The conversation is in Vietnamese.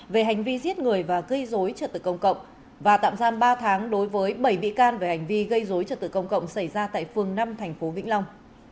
về hành vi giết người và gây dối trật tự công cộng và tạm giam ba tháng đối với bảy bị can về hành vi gây dối trật tự công cộng xảy ra tại phường năm tp vĩnh long